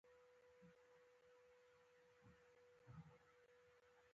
چي د دام پر سر یې غټ ملخ ته پام سو